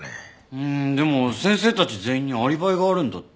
うーんでも先生たち全員にアリバイがあるんだって。